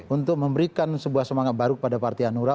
untuk memberikan sebuah semangat baru kepada partai hanura